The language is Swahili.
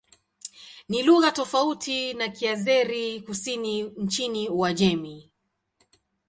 Ni lugha tofauti na Kiazeri-Kusini nchini Uajemi.